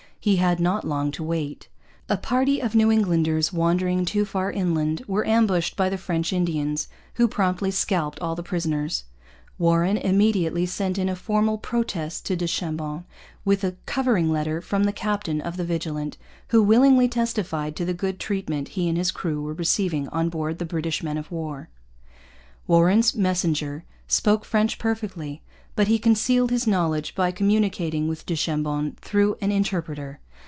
He had not long to wait. A party of New Englanders, wandering too far inland, were ambushed by the French Indians, who promptly scalped all the prisoners. Warren immediately sent in a formal protest to du Chambon, with a covering letter from the captain of the Vigilant, who willingly testified to the good treatment he and his crew were receiving on board the British men of war. Warren's messenger spoke French perfectly, but he concealed his knowledge by communicating with du Chambon through an interpreter.